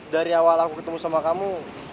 dari awal aku ketemu sama kamu